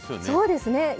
そうですね